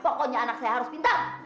pokoknya anak saya harus pindah